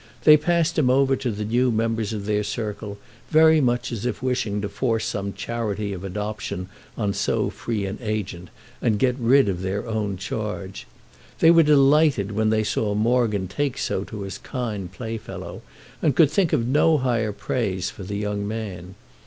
They passed him over to the new members of their circle very much as if wishing to force some charity of adoption on so free an agent and get rid of their own charge. They were delighted when they saw Morgan take so to his kind playfellow, and could think of no higher praise for the young man.